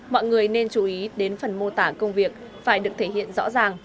mọi người nên chú ý đến phần mô tả công việc phải được thể hiện rõ ràng